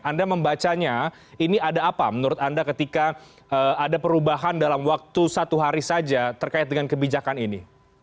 anda membacanya ini ada apa menurut anda ketika ada perubahan dalam waktu satu hari saja terkait dengan kebijakan ini